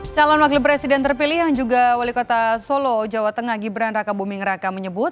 calon wakil presiden terpilih yang juga wali kota solo jawa tengah gibran raka buming raka menyebut